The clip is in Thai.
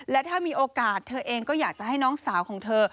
และถ้ามีโอกาสเธอเองก็อยากจะให้น้องสาวของเธอ